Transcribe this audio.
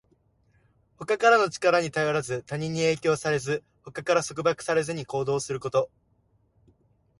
他からの力に頼らず、他人に影響されず、他から束縛されずに行動すること。